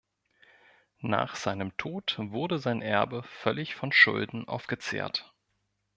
Nach seinem Tod wurde sein Erbe völlig von Schulden aufgezehrt.